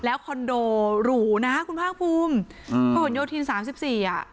แล้วคอนโดหรูนะคุณภาคภูมิอืมพระหลโยธินสามสิบสี่อ่ะ